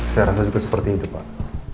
saya rasa juga seperti itu pak